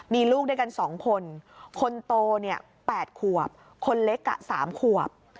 มีลูกด้วยกันสองคนคนโตเนี่ยแปดขวบคนเล็กกะสามขวบ